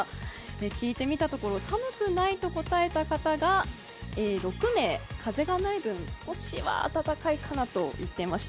聞いてみたところ寒くないと答えた方が６名、風がない分、少しは暖かいかなと言っていました。